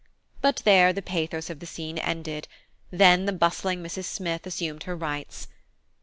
But there the pathos of the scene ended, then the bustling Mrs. Smith assumed her rights.